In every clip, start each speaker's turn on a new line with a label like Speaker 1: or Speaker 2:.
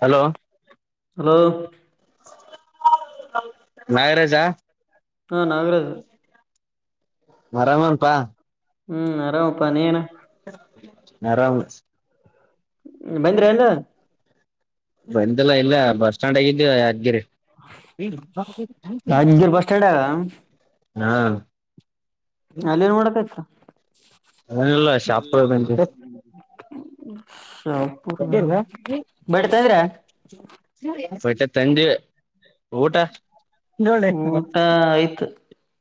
Speaker 1: Hello
Speaker 2: hello
Speaker 1: Nagaraja
Speaker 2: ಹಾ ನಾಗರಾಜು
Speaker 1: ಅರಾಮೆನ್ಪ
Speaker 2: ಹ್ಮ್ ಆರಾಮಪ್ಪಾ ನೀನು
Speaker 1: ನರಾಮ
Speaker 2: ಹಂ ಬಂದ್ರಿ ಏನ್.
Speaker 1: ಬಂದಿಲ್ಲಾ ಇಲ್ಲ ಬಸ್ ಸ್ಟ್ಯಾಂಡ್ ದಾಗ್ ಗಿದ್ದವಿ ಯಾದಗಿರಿ.
Speaker 2: ರಾಜಗಿರ್ ಬಸ್ ಸ್ಟ್ಯಾಂಡಾಗ
Speaker 1: [unintelligible] ಹಾ
Speaker 2: ಅಲ್ಲೇನ್ ಮಾಡಾಕತ್ರಿ.
Speaker 1: ಏನಿಲ್ಲಾ ಶಾಪುರ್ದಾಗ್ ಬಂದಿವಿ.
Speaker 2: ಹ್ಮ್ [unintelligible]
Speaker 1: [unintelligible] ಬಟ್ಟೆ ತಂದಿ ಊಟ ನೋ
Speaker 2: ಊಟ
Speaker 1: [unintelligible]
Speaker 2: ಆಯ್ತು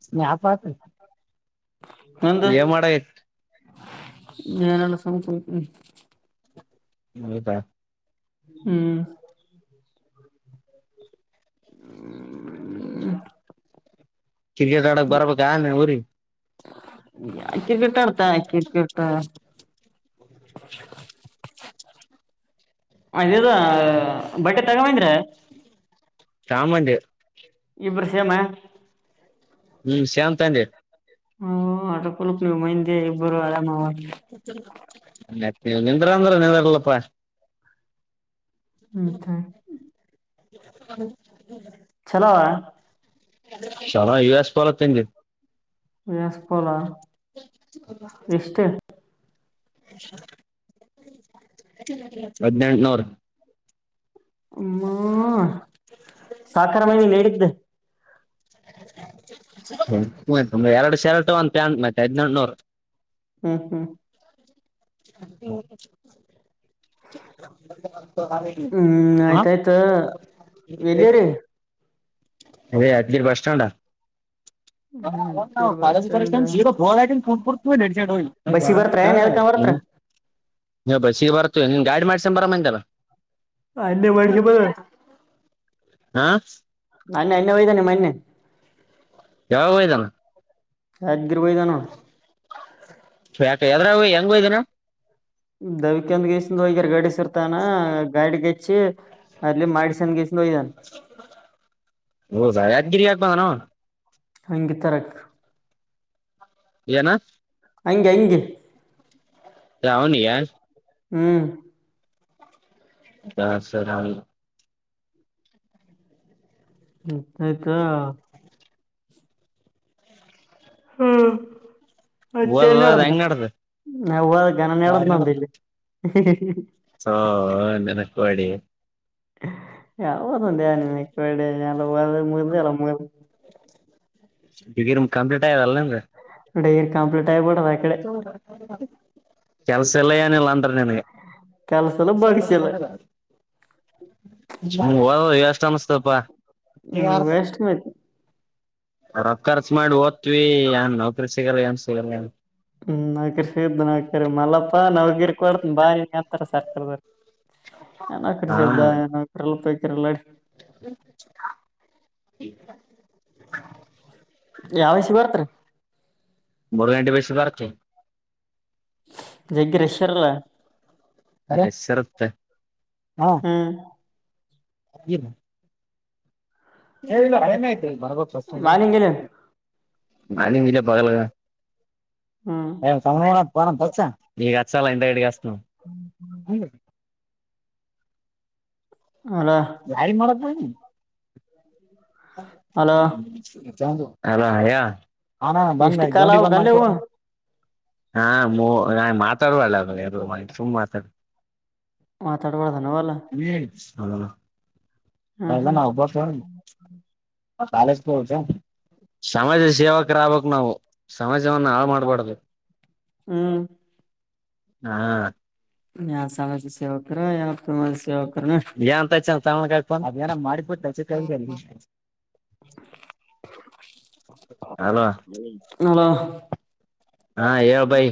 Speaker 1: ಸ್ನ್ಯಾಪ್ ಹಾಕ್ರಿ. ಏನ್ ಮಾಡಕ್ಕತ್ತಿ.
Speaker 2: ಏನಿಲ್ಲ ಸುಮ್ ಕುಂತೀನಿ.
Speaker 1: ಹೌದಾ.
Speaker 2: ಹ್ಮ್ ಹ್ಮ
Speaker 1: ಕ್ರಿಕೆಟ್ ಆಡಾಕ್ ಬರ್ಬೇಕಾ ನೀ ಉರಿಗಿ.
Speaker 2: [unintelligible] ಕ್ರಿಕೆಟ್ ಆಡ್ತಾ ಕ್ರಿಕೆಟ್ ಅದ ಇದ ಬಟ್ಟೆ ತೊಗೊಂಡ ಬಂದ್ರ್ಯ.
Speaker 1: ತಾ ಬಂದ್ವಿ.
Speaker 2: ಇಬ್ರೂ ಸೇಮ.
Speaker 1: ಹ್ಮ್ ಶೆಮ್ ತಂದಿ.
Speaker 2: ಹ ಅದು ಕುಲಕ್ ನೀವ ಮಂದಿ ಇಬ್ಬರು ಅಳ್ಯಾ ಮಾವಾ.
Speaker 1: ಮತ್ತ ನೀವ ನಿಂದ್ರ ಅಂದ್ರ ನಿಂದ್ರಲ್ಲಪ್ಪ.
Speaker 2: ಹ್ಮ್ ಕ.
Speaker 1: [unintelligible]
Speaker 2: ಚಲೋ ಅವಾ.
Speaker 1: ಚಲೋ ಯು ಎಸ್ ಪೋಲೋ ತಂದಿ.
Speaker 2: U S polo.
Speaker 1: [inaudible] ಹದಿನೆಂಟನೂರು.
Speaker 2: ಅಮ್ಮಾ ಸಾಕಾರದಾವ್ ನೀ ಹೇಳಿದ್
Speaker 1: ಹ್ಮ್ ಸುಮ್ನೆ ಎರಡ ಶರ್ಟ್ ಒಂದ್ ಪ್ಯಾಂಟ್ ಮತ್ತೆ ಹದ್ನೆಂಟನೂರ.
Speaker 2: ಹ್ಮ್ ಹ್ಮ್
Speaker 1: [unintelligible] [unintelligible]
Speaker 2: ಹ್ಮ್
Speaker 1: ಹ
Speaker 2: ಆಯ್ತಾಯ್ತ ಎಲ್ಲಿರಿ
Speaker 1: ಅದೇ ಯಾದ್ಗಿರಿ ಬಸ್ ಸ್ಟ್ಯಾಂಡ.
Speaker 2: ಹದಗಿರ್ ಬಸ್ ಸ್ಟ್ಯಾಂಡ್
Speaker 1: [unintelligible] [unintelligible]
Speaker 2: ಬಸ್ಸಿಗೆ ಬರ್ತ್ರ ಏನ್ ಹೇಳ್ಕ ಬರ್ತ್ರ
Speaker 1: ಇನ್ನ್ ಬಸ್ಸಿಗೆ ಬರತೇವ ಏನ್ ನಿನ್ನ ಗಾಡಿ ಮಾಡ್ಸ್ [unintelligible] ಬರಂ ಅಂದ್ಯಲ್ಲಾ
Speaker 2: ಅಲ್ಲೇ ಮಾಡ್ಸಿ ಬಾ.
Speaker 1: ಆ
Speaker 2: ಮನ್ನೆ ಎಣ್ಣೆ ಒಯ್ದೇನ್ ಮನ್ನೆ.
Speaker 1: ಯಾವಾಗ್ ಒಯ್ದಾನ್.
Speaker 2: ಯಾಡ್ [unintelligible] ಒಯ್ದಾನ್.
Speaker 1: ಯಾಕ ಯಾದ್ರಾಗ್ ಓಯ್ ಹೆಂಗ ಒಯ್ದಾನ್.
Speaker 2: ದವಿಕಂದ ಗೆಸಿಂದ ಹೋಗ್ಯಾರ್ ಗಾಡಿ ಸರ್ತಾನ ಗಾಡಿಗೆಚ್ಚಿ ಅಲ್ಲೆ ಮಾಡಿಸಂದ ಗೇಸಿನ್ ಒಯ್ದಾನ.
Speaker 1: ಹೌದಾ ಯಾದಗಿರಿ ಯಾಕ್ ಬಂದಾನ ಅವ.
Speaker 2: ಅಂಗಿ ತರಾಕ್.
Speaker 1: ಏನ್.
Speaker 2: ಅಂಗಿ ಅಂಗಿ.
Speaker 1: ರಾವನು ಯಾರ
Speaker 2: ಹ್ಮ್
Speaker 1: ಹಾ ಸರ್ ಹ
Speaker 2: ಆಯ್ತಾ ಹ್ಮ್ ಮ ನಡ
Speaker 1: ಓದದ ಹೆಂಗ್
Speaker 2: ನನ ನಡಲ್ಲಿ
Speaker 1: ಹ ನೆನಕುವಾಡಿ
Speaker 2: ಯದ ಾನಡೆಲ್ಲ ಮುರುಂದ ಎಲ್ಲ ಮುರು
Speaker 1: ಡಿಗ್ರಿಮ ಕಂಪ್ಲೀಟ್ ಆಯದಲ್ಲ ನನ್್ರ
Speaker 2: ಡಿಗ್ರಿ ಕಂಪ್ಲೀಟ್ ಆಗಿಬಿಡದ ಆ ಕಡೆ
Speaker 1: [inaudible] ಕೆಲ್ಸ ಎಲ್ಲ ಏನಿಲ್ಲ ಅಂದ್ರ ನನ್ಗೆ
Speaker 2: ಕೆಲಸಲ್ಲ ಬಗ್ಸಿಲ್ಲ
Speaker 1: ಅಷ್ಟ ಮಸ್ತಪ್ಪಾ
Speaker 2: ಹ್ಮ ವೆಸ್ಟ್ ಮ
Speaker 1: ಹೊ ಖರ್ಚು ಮಾಡಿ ಓದ್ವಿ ಏನ್ ನೌಕರಿ ಸಿಗಲ್ಲ ಏನ್ ಸಿಗಲ್ಲ
Speaker 2: ಹ್ಮ್ ನೌಕರಿ ಸ್ದ ನೌಕರಿ ಮಲ್ಲಪ್ಪ ನೌಗಿರಿ ಕೊಡ್ತ ಬಾಯ ಮಾಡತಾರ ಸರ್ಕಾರದ ನನ
Speaker 1: ಹಾ
Speaker 2: ಕರ್ಷ್ದರೆಲ್ಲಕರೆ ಎಲ್ಲ
Speaker 1: [inaudible]
Speaker 2: ಯಾವಸ ಬರ್ತ್ರಿ
Speaker 1: ಬರ್ಗಂಟಿ ಬಸ ಬ
Speaker 2: ಜಗ್ಗರಶ್ವರ್ಲ್ಲ
Speaker 1: ಅ ಸರುತ್ತೆ
Speaker 2: ಹ್ಮ್
Speaker 1: ಅನು ಹೇಳಿಲ್ಲ ಏನತಿ ಮರಬಕ್ ಪ್ರಶ್ನೆ
Speaker 2: ಮಾಲಿಂಗಿಲ್ಲ
Speaker 1: ಅ ಮ ಬಲ್ಲ
Speaker 2: ಹ್ಮ್
Speaker 1: ನೀಗೆ ಹಚ್ಚಲ್ಲ ಇಟ ಗಡೆಗೆಸ್
Speaker 2: ಹಲೋ
Speaker 1: ಭಾರಿ ಮಡದ
Speaker 2: ಹಲೋ
Speaker 1: ನ ಯ ಹ ಬಂದ್
Speaker 2: ಎಷ್ಟು ಕಾಲ
Speaker 1: ಗೌಂಡಿಗೆ
Speaker 2: ಅವ
Speaker 1: ಬಂದ್
Speaker 2: ಅವು
Speaker 1: ಮಾಡ್ತ ಹಾ ನಾ ಮಾತಾಡುವಲ್ಲ ತುಂಬ್ ಮಾತಾಡ
Speaker 2: ಮಾತಾಡಬಡ್ದಾನ ಅವಲ್ಲ
Speaker 1: ಹೌ ಹಲ್ಲ
Speaker 2: ಹ್ಮ್
Speaker 1: ನಾ ಉಬೋ ಸ ಕಾಲಜ್ ಪ ಸಮಾಜ ಸೇವಕರ ಆಬಕ್ ನಾವು ಸಮಾಜವನ್ನ ಹಾಳು ಮಾಡ್ಬಾರಡ್ಬೇಕ
Speaker 2: ಹ್ಮ
Speaker 1: ಹಾ
Speaker 2: ಯಾವ ಸಾಲಾಜ ಸೇವಕರ ಯಾವ ತ ಸೇವಕ
Speaker 1: ಏಂತ ಮಾಡ [inaudible]
Speaker 2: ನಲ
Speaker 1: ಹಾ ಹೇಳಬೈ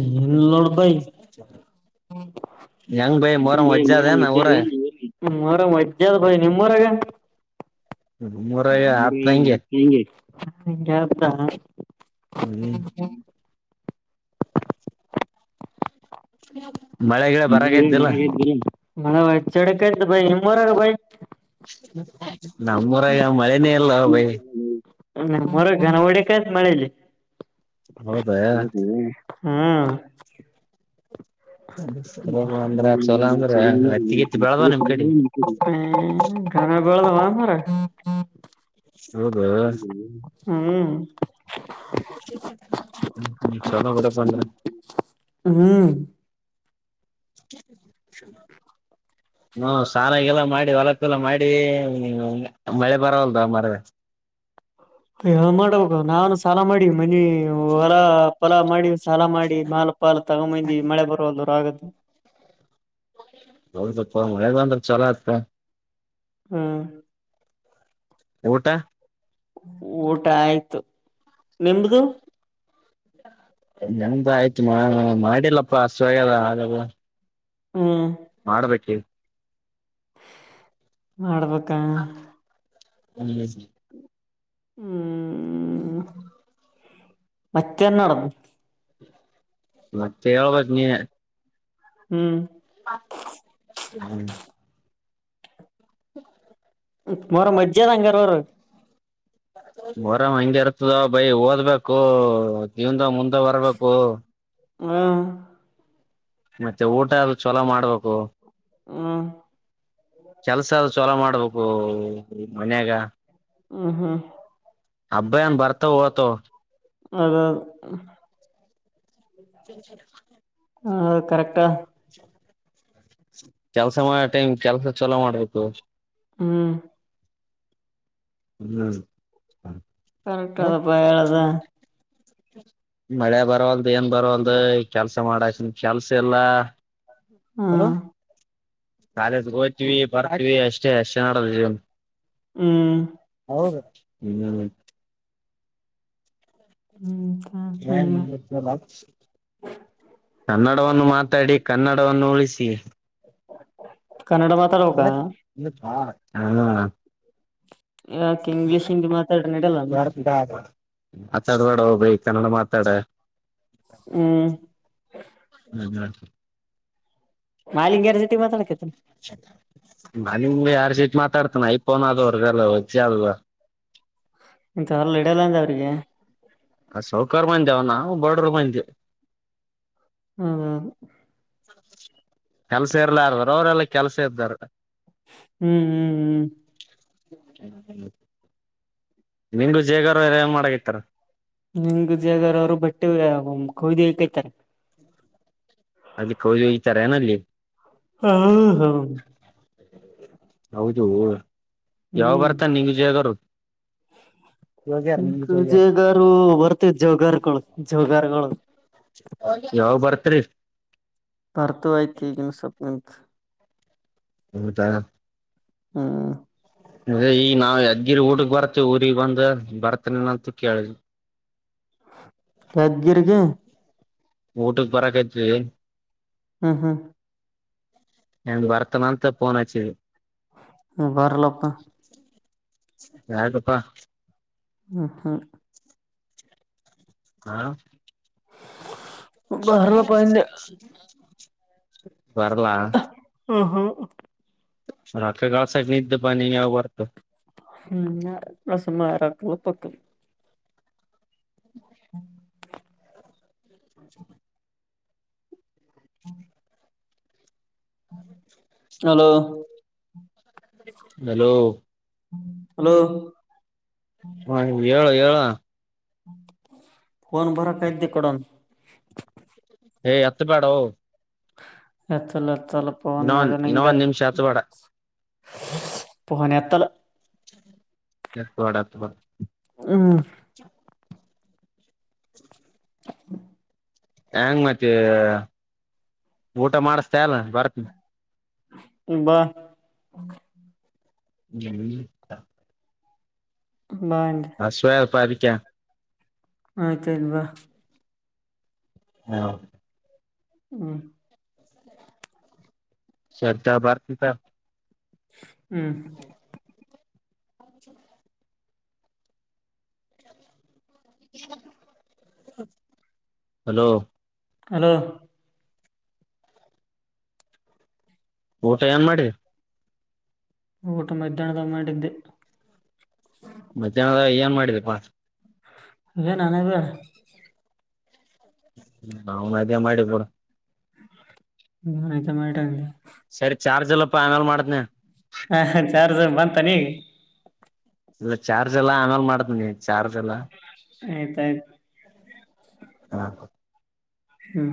Speaker 2: ಎನ್ ನೋಡ್ ಭೈ
Speaker 1: ಹೆಂಗ್ ಬೈ ಮೊರಂ
Speaker 2: ಹ್ಮ
Speaker 1: ವಜ್ಜ
Speaker 2: ಮ
Speaker 1: ಅದೇನ
Speaker 2: ಮಜ್ಜ
Speaker 1: ಊರ
Speaker 2: ಮರ ಮಜ್ಜ ಅದ್ ಭೈ ನಿಮ್ಮ್ರಗೆ
Speaker 1: ಮೂರಾಗ
Speaker 2: ಬಂದೆ
Speaker 1: ಆತ್ ಹಂಗೆ
Speaker 2: ಮತ್ ಹೆಂಗೆ ಹಾ
Speaker 1: ಹ್ಮ್
Speaker 2: ಹ್ಮ
Speaker 1: ಹ
Speaker 2: ಮ ಚಡೆ ಕ್ ಬ ಇರ ಬ
Speaker 1: ನಮ್ಮೂರಾಗ ಮಳೆನೇ ಅಲ್ಲ ಭೈ
Speaker 2: ಮ್ಮರ ಗನ ವಡ ಕ ಮಾಡೆಲಿ
Speaker 1: ಹೌದಯಾ
Speaker 2: ಹ್ಮ್
Speaker 1: [unintelligible] ಅಂದ್ರ ಚೊಲೋ ಅಂದ್ರ ಹತ್ತಿಗೆತ್ತಿ ಬೆಳದವ ನಿಮ್ ಕಡೆ
Speaker 2: [unintelligible] ಹಾ ಮರೆ [unintelligible]
Speaker 1: ಹೌದಾ
Speaker 2: ಹ್ಮ್
Speaker 1: [unintelligible] ಚಲೋ ಬೇಡು ಅಪ್ಪ ಅಂದ್ರೆ
Speaker 2: ಹ್ಮ್
Speaker 1: [unintelligible] ಹ ಸಲ ಗೆಲ ಮಾಡಿ ಹೊಲಕ್ಕೆೆಲ್ಲ ಮಾಡಿ [unintelligible] ಮಳೆ ಬರವಲ್ದ ಮರವೆ [inaudible]
Speaker 2: ಏನು ಮಾಡಬೇಕು ನಾನು ಸಾಲ ಮಾಡಿ ಡಿ ಮನಿ ಹೊಲ ಫಲಾ ಮಾಡಿ ಸಾಲ ಮಾಡಿ ಮಾಲ ಪಾಲಲ್ ತಗೊಂಬಂದಿ ಮಳೆ ಬರುವಲಆಗ [inaudible]
Speaker 1: ಹಾವುದು ಅಪ್ಪ ಮಳೆ ಬಂದ್ರೆ ಚಲ ಆತ್
Speaker 2: ಹ್ಮ್
Speaker 1: ಊಟ
Speaker 2: ಊಟ ಆಯ್ತು ನಿಮ್ದ
Speaker 1: ನದು ಆಯ್ತು ಮಾಡಿಲ್ಲಪ್ಪ ಅಷ್ಟುದ ಹಾಗಡು
Speaker 2: ಹ್ಮ್
Speaker 1: ಮಾಡ್ಬೇಕು [unintelligible]
Speaker 2: ಮಾಡ್ಬೇಕ
Speaker 1: ಅಂಗಜಿ [inaudible]
Speaker 2: ಹ್ಮ್ ಮತ್ತೆನ್ನ
Speaker 1: ಮತ್ತೆ ಹೇಳಬೇಕು ನೀನೇ
Speaker 2: ಹ್ಮ್
Speaker 1: [unintelligible] ಹ್ಮ್ [inaudible]
Speaker 2: ಮರ ಮಜ್ಜೆ ನಂಗರಬರು
Speaker 1: ಮರಾಮ ಹಂಗಗೆ ಇರ್ತದ ಬೈ ಓದ್ಬೇಕು ಜೀವನದ ಮುಂದ [unintelligible] ಬರಬೇಕು
Speaker 2: ಹಾ
Speaker 1: ಮತ್ತೆ ಊಟ ಆದೂ ಚಲೋ ಮಾಡ್ಬೇಕು
Speaker 2: ಹಾ
Speaker 1: ಕೆಲ್ಸ ಆದ ಚಲೋ ಮಾಡ್ಬೇಕು ಮನ್ಯಾಗ
Speaker 2: ಹ್ಮ ಹ್ಮ
Speaker 1: ಅಬ್ಬಯನ್ ಬರ್ತವ ಒತವ
Speaker 2: ಹವ್ದು ಹವ್ದು
Speaker 1: [unintelligible]
Speaker 2: ಅದು ಕರೆಕ್ಟ್
Speaker 1: ಕೆಲಸ ಮಾಡ ಟೈಮ್ ಕೆಲ್ಸ ಚಲೋ ಮಾಡಬೇಕ್ತು
Speaker 2: ಹ್ಮ್
Speaker 1: ಹ್ಮ್ [unintelligible]
Speaker 2: ಕರೆಕ್ಟ್ ಆದ ಅಪ್ಪ ಹೇಳದು
Speaker 1: ಮಳೆ ಬರಲ್ದು ಏನ್ ಬರಲ್ದು ಕೆಲ್ಸ ಮಾಡಕ ಕೆಲ್ಸ ಇಲ್ಲ
Speaker 2: ಹಾ
Speaker 1: ಕಾಲೇಜ್ಗೆ ಹೋಗ್ವವಿ ಬರ್ತೀವಿ ಅಷ್ಟೇ ಅಷ್ಟ್ ನಾಡಿದ ಜೀವನ
Speaker 2: ಹ್ಮ್
Speaker 1: ಹೌದು ಇಲ್ಲ ಲೀ [unintelligible]
Speaker 2: ಹ್ಮ್
Speaker 1: ಅಣ್ಣ ಕನ್ನಡ ವನು ಮಾತಾಡಿ ಕನ್ನಡವನ್ನು ಉಳಿಸಿ
Speaker 2: ಕನ್ನಡ ಮಾತಾಡಬೇಕ
Speaker 1: ಹ [unintelligible]
Speaker 2: ಯಾಕೆ ಇಂಗ್ಲೀಷ್ ಹಿಂದಿ ಮಾತಾಡ್ರಿ ನಡಲ್ಲ
Speaker 1: ಯ ಬ [unintelligible] ಆ ಚದವಾಡ ಹೋಗಬ್ರಿ ಕನ್ನಡ ಮಾತಾಡ [unintelligible]
Speaker 2: ಹ್ಮ್ [unintelligible] ಮಾಲಿಂಗ್ಯರ ಸಿಟಿ ಮಾತಾಡಕತನೆ [unintelligible]
Speaker 1: ನಿಮ್ಗೆ ಯಾರ್ ಸೀತಿ ಮಾತಾಡ್ತಾನ ಐಫೋನ್ ಅದವರ್ಗಲ್ಲ ವಚ್ಚಿ ಅಲ್ವಾ [unintelligible]
Speaker 2: ಇಥಲ್ಲ ಇಡಲ್ಲಂದ ಅವ್ರಿಗೆ [unintelligible]
Speaker 1: ಅ ಸೌಕರ್ ಬಂದಂದೆ ಅವ ನ ಬಡರು ಬಂದ [unintelligible]
Speaker 2: ಹಾ [unintelligible]
Speaker 1: ಕೆಲ್ಸ ಇರ್ಲಾರ್ದಾರ ಅವರೆಲ್ಲ ಕೆಲ್ಸ ಇದ್ದಾರ [unintelligible]
Speaker 2: ಹ್ಮ್ ಹ್ಮ್ ಹ್ಮ್ [unintelligible]
Speaker 1: ನಿಮಗು ಜೇಗಾರ ಎಲ್ಲ ಮಾಡಕ ಇತ್ತಾರ [unintelligible]
Speaker 2: ನಿಂಗ ಜಗರ ಅವರು ಬಟ್ಟೆ ಕ್ದಿತಾರೆ [unintelligible]
Speaker 1: ಅದಕ್ಕೆ ಹೋದಿ ಈತರ ಏನಲ್ಲಿ [unintelligible]
Speaker 2: ಹಾ ಹಾ [unintelligible]
Speaker 1: ಹೌದು ಯಾವ ಬರ್ತಾನ ನಿಂಗ ಜಗರು [unintelligible]
Speaker 2: ಜಗಾರು [unintelligible] ಜಗಾರಗಳು ಜೋಗಾರಗಳು [unintelligible]
Speaker 1: ತತರಿಫ್ [unintelligible]
Speaker 2: ಬರ್ತು ಆಯ್ತು ಈಗಿನಸೊಪ್ ನಿಂತ [unintelligible]
Speaker 1: ಹಊದಾ [unintelligible]
Speaker 2: ಹಾ [unintelligible]
Speaker 1: ಅ ಈ ನಾವವು ಯಜ್ಗಿರಿ ಊಡ್ಗ್ ಬರ್ತೇವಿ ಊಗ್ ಬಂದ ಬರ್ತನನಂತ ಕೇಳುದು [unintelligible]
Speaker 2: ಕದಗೀರಿಗೆ [unintelligible]
Speaker 1: ಊಟಕ್ಕೆ ಬರಕ್ [unintelligible] ತ್ರಿ
Speaker 2: ಹ್ಮ ಹ್ಮ [unintelligible]
Speaker 1: ಎ ವರ್ತಮಾನಂತ ಫೋನಚಿನ್ನಿ [unintelligible]
Speaker 2: ಹ್ಮ ಬರಲಪ್ಪ [unintelligible]
Speaker 1: ಯಾಗಪ್ಪಾ [unintelligible]
Speaker 2: ಹ್ಮ ಹಾ [unintelligible]
Speaker 1: ಹಾ
Speaker 2: ಬರ್ಲಪ್ಪ ಅಂದೆ
Speaker 1: [unintelligible] ಬರಲಾ [unintelligible]
Speaker 2: ಹ್ಹ್ [unintelligible]
Speaker 1: ರಾತ್ ಕಾಸ ನಿದ್ದ ಬ ನೀ ಯಾವ ಬರ್ತ [unintelligible]
Speaker 2: ಹ್ಮ್ ಸುಮ್ಮ ಯರಕ್ಕಳ ಪಕ್ಕ [unintelligible] ಹ [unintelligible]
Speaker 1: ಹ [unintelligible]
Speaker 2: ಹ್ಮ [unintelligible] ಹಲೋ [unintelligible]
Speaker 1: ಹಲೋ [unintelligible]
Speaker 2: ಹಲೋ [unintelligible]
Speaker 1: ಹ ಏಳು ಏಳು [unintelligible]
Speaker 2: ಫೋನ್ ಭರ ಕಾಯ್ದ ಕಡನ್ [unintelligible]
Speaker 1: ಏ ಅತ್ತಪಾಡ [unintelligible]
Speaker 2: ಎತ್ತಲ್ಲ ಎತ್ತಲ್ಲ ಪನ್ನಾಗ
Speaker 1: ಒಂದ್ ಇನ್ನೊ
Speaker 2: ನಿಂಗ
Speaker 1: ಒಂದ್ ನಿಮಿಷ ಹತ್ ಬೇಡ
Speaker 2: [unintelligible] ಪುಹಾನೆತ್ತಲ್ [unintelligible]
Speaker 1: ಎವಾಡತ್ ಬ [unintelligible]
Speaker 2: ಹ್ಮ [unintelligible]
Speaker 1: ಹ್ಮ [unintelligible]
Speaker 2: ಹ್ [unintelligible]
Speaker 1: ಹೆಂಗ ಮತ್ತೆ ಊಟ ಮಾಡಸ್ತಾ ಅಲ್ಲ ಬರ್ತ್ನ
Speaker 2: ಇ ಬಾ
Speaker 1: ಜ
Speaker 2: ಬಾ ಹಿಂಗೆ
Speaker 1: ಹ ಸವಯ ಪಪಿಕ
Speaker 2: ಆಯ್ತು ಇಲ್ಲಿ ಬಾ
Speaker 1: ಹಾ
Speaker 2: ಹ್ಮ್
Speaker 1: ಶ್ರದ್ಧಾ ಬರ್ತೀತಾಗೋ
Speaker 2: ಹ್ಮ್
Speaker 1: ಹ ಹಲೋ
Speaker 2: ಹಲೋ
Speaker 1: ಊಟ ಎನ್ಮಡಿಯ
Speaker 2: ಊಟ ಮಧ್ಯಾನ ಮಾಡಿದ್ದೆ
Speaker 1: ಮಧ್ಯಾಹ್ನದ ಏನ್ ಮಾಡಿದಪ್ಪಾ
Speaker 2: ಇ ನಾನ ಬ
Speaker 1: ನ ಮದೇ ಮಾಡಿಬೋಡ
Speaker 2: ಹ್ಮತ ಮಾಡಟಂಗ [inaudible]
Speaker 1: ಸರಿ ಚಾರ್ಜ್ ಎಲ್ಲಪ್ಪಾ ಆ ಮೇಲೆ ಮಾಡ್ತೀನಿ
Speaker 2: ಹ ಚಾರ್ಜ ಬಂತ ನೀಗ
Speaker 1: ಇಲ್ಲ ಚಾರ್ಜ್ ಎಲ್ಲಾ ಆಮೇಲೆ ಮಾಡ್ತನಿ ಚಾರ್ಜ್ ಎಲ್ಲಾ
Speaker 2: ಆಯ್ತಾಯ್ತ್
Speaker 1: ಹಾ
Speaker 2: ಹ್ಮ